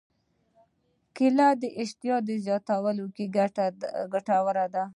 کېله د اشتها زیاتولو کې ګټوره ده.